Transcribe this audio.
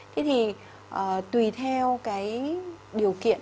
thế thì tùy theo điều kiện